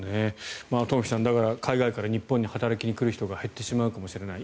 トンフィさん海外から日本に働きに来る人が減ってしまうかもしれない。